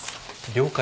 了解。